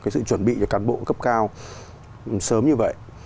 cái sự chuẩn bị cho cán bộ cấp cao sớm như vậy